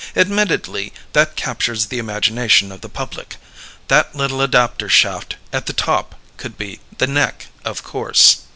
Admittedly that captures the imagination of the public. That little adapter shaft at the top could be the neck, of course...."